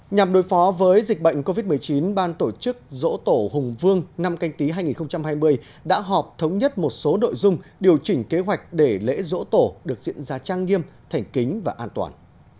nhằm đối phó với dịch bệnh covid một mươi chín ban tổ chức dỗ tổ hùng vương năm canh tí hai nghìn hai mươi đã họp thống nhất một số nội dung điều chỉnh kế hoạch để lễ dỗ tổ được diễn ra trang nghiêm thành kính và an toàn